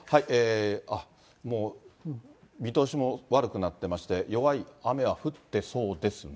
あっ、もう見通しも悪くなってまして、弱い雨は降ってそうですね。